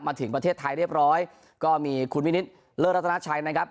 ถึงประเทศไทยเรียบร้อยก็มีคุณวินิตเลิศรัฐนาชัยนะครับ